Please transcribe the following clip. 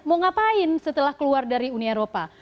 mau ngapain setelah keluar dari uni eropa